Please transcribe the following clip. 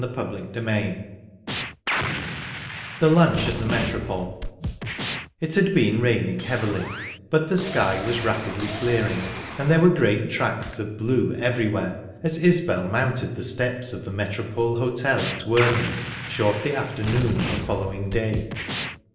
Chapter XIII THE LUNCH AT THE METROPOLE It had been raining heavily, but the sky was rapidly clearing and there were great tracts of blue everywhere as Isbel mounted the steps of the Metropole Hotel at Worthing shortly after noon on the following day.